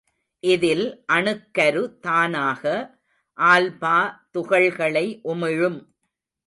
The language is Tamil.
இதில் அணுக்கரு தானாக ஆல்பா துகள்களை உமிழும்.